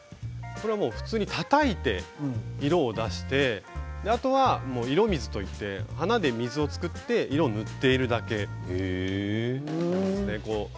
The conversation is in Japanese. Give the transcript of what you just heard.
普通にたたいて色を出してあとは色水といって花で水を作って塗っているだけです。